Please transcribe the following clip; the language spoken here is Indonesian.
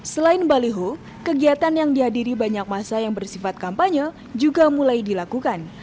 selain baliho kegiatan yang dihadiri banyak masa yang bersifat kampanye juga mulai dilakukan